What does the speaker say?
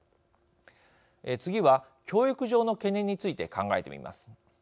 次は教育上の懸念について考えてみます。